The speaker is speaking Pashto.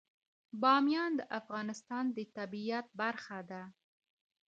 بامیان د افغانستان د طبیعت برخه ده.